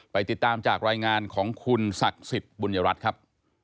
ติดตามจากรายงานของคุณศักดิ์สิทธิ์บุญรัฐครับ